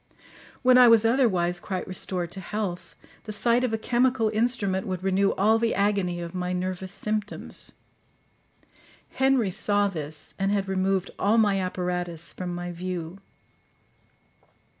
When I was otherwise quite restored to health, the sight of a chemical instrument would renew all the agony of my nervous symptoms. Henry saw this, and had removed all my apparatus from my view.